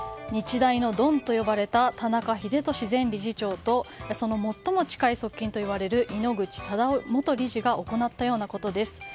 日大のドンと呼ばれた田中英寿前理事長とそのもっとも近い側近と言われる井ノ口忠男元理事が行ったようなことです。